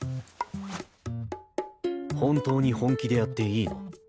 本当に本気でやっていいの？